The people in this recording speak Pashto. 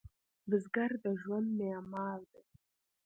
بزګر د ژوند معمار دی